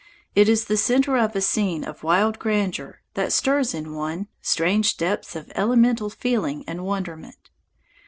It is the centre of a scene of wild grandeur that stirs in one strange depths of elemental feeling and wonderment.